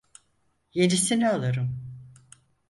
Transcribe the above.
Yenisini alırım.